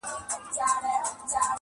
پر دا خپله خرابه مېنه مین یو٫